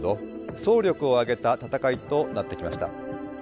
総力を挙げた戦いとなってきました。